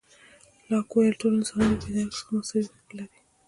لاک وویل، ټول انسانان د پیدایښت څخه مساوي حقوق لري.